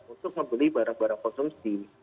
untuk membeli barang barang konsumsi